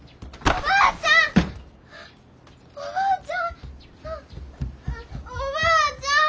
おばあちゃん。